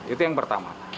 itu yang pertama